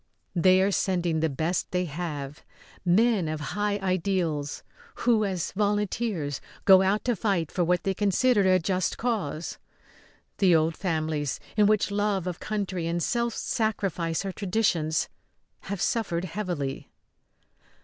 They are sending the best they have men of high ideals, who, as volunteers, go out to fight for what they consider a just cause. The old families, in which love of country and self sacrifice are traditions, have suffered heavily.